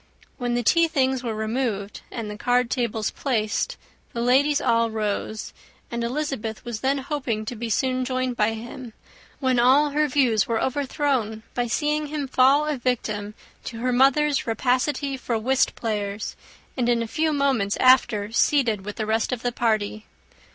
When the tea things were removed, and the card tables placed, the ladies all rose; and Elizabeth was then hoping to be soon joined by him, when all her views were overthrown, by seeing him fall a victim to her mother's rapacity for whist players, and in a few moments after seated with the rest of the party.